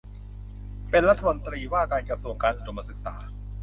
เป็นรัฐมนตรีว่าการกระทรวงการอุดมศึกษา